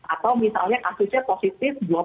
atau misalnya kasusnya positif